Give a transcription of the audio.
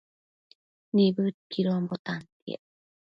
Nibëdquidonbo tantiec